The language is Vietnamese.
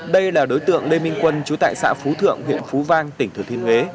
đây là đối tượng lê minh quân chú tại xã phú thượng huyện phú vang tỉnh thừa thiên huế